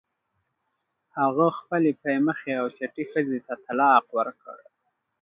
هغه خپلې پی مخې او چټې ښځې ته طلاق ورکړ.